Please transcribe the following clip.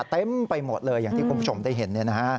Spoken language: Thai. เต็มไปหมดเลยอย่างที่คุณผู้ชมได้เห็น